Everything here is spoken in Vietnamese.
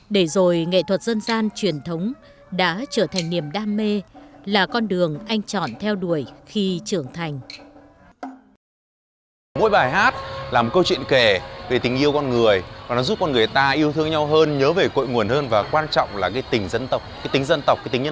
để rồi nghệ thuật dân gian truyền thống đã trở thành niềm đam mê là con đường anh chọn theo đuổi khi trưởng thành